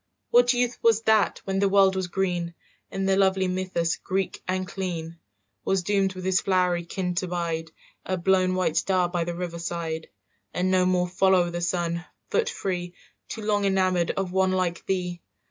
"What youth was that, when the world was green, In the lovely mythus Greek and clean, "Was doomed with his flowery kin to bide, A blown white star by the river side, "And no more follow the sun, foot free, Too long enamoured of one like thee?